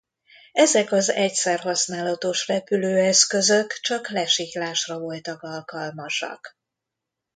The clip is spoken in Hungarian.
Ezek az egyszer használatos repülőeszközök csak lesiklásra voltak alkalmasak.